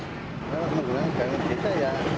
kalau menggunakan pengembangan desa ya